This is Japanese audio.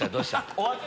終わった？